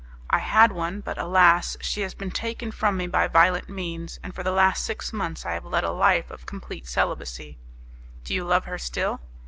"I had one, but, alas! she has been taken from me by violent means, and for the last six months I have led a life of complete celibacy." "Do you love her still?"